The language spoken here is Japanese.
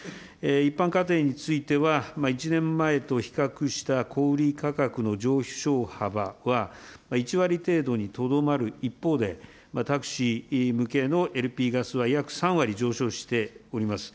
一般家庭については、１年前と比較した小売り価格の上昇幅は、１割程度にとどまる一方で、タクシー向けのＬＰガスは約３割上昇しております。